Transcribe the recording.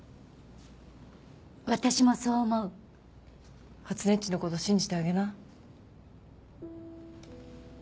私もそう思う。はつねっちのこと信じてあげな。